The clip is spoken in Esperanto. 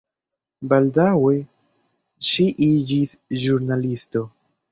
Baldaŭe ŝi iĝis ĵurnalisto.